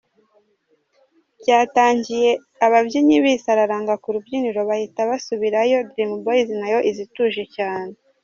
Byatangiye ababyinnyi bisararanga ku rubyiniro bahita basubirayo, Dream Boyz nayo iza ituje cyane.